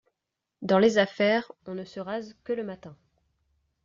Dans les affaires, on ne se rase que le matin !